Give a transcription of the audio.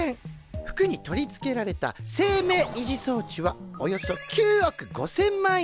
服に取り付けられた生命維持装置はおよそ９億５，０００万円。